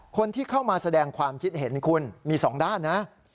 คนที่เข้ามาแสดงความคิดเห็นคุณมี๒ด้านนะ